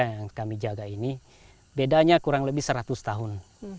yang kami jaga ini bedanya kurang lebih seratus tahun